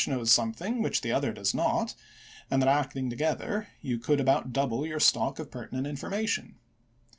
knows something which the other does not, and that act ing together, you could about double your stock of per tinent information.